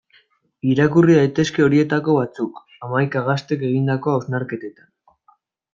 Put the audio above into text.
Irakurri daitezke horietako batzuk, hamaika gaztek egindako hausnarketetan.